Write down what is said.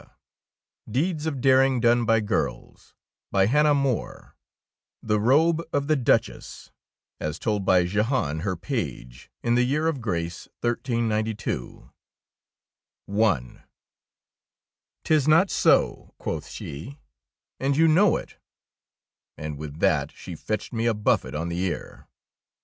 288 DEEDS OF DARING DONE BY GIRLS The Robe of the Duchess told bp Jehan, her Page in the Year of Grace 1392 I IS NOT SO," QUOTH she, "and you know it"; and with that she fetched me a buffet on the ear.